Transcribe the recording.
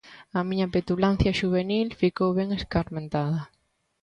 A miña petulancia xuvenil ficou ben escarmentada.